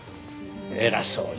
偉そうに。